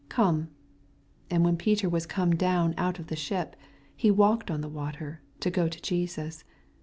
Come. And when Peter was oome down out of the ship, he walked on the water, to go to JesuB.